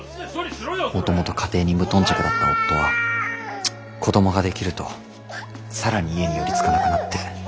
もともと家庭に無頓着だった夫は子供ができると更に家に寄りつかなくなって。